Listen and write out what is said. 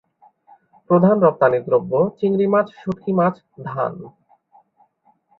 প্রধান রপ্তানিদ্রব্য চিংড়ি মাছ, শুঁটকি মাছ, ধান।